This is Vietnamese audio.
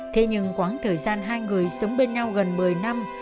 thế nhưng quãng thời gian hai người sống bên nhau gần một mươi năm